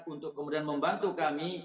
untuk kemudian membantu kami